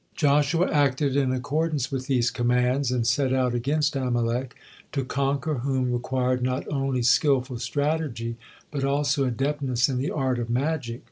Joshua acted in accordance with these commands and set out against Amalek, to conquer whom required not only skillful strategy, but also adeptness in the art of magic.